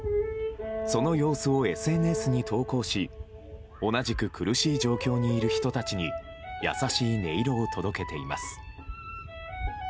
その様子をＳＮＳに投稿し同じく苦しい状況にいる人たちに優しい音色を届けています。